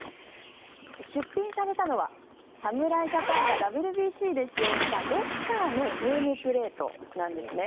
出品されたのは侍ジャパンがＷＢＣで使用したロッカーのネームプレートなんですね。